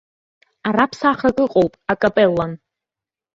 Ара ԥсахрак ыҟоуп, акапеллан!